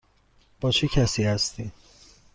با چه کسی هستی؟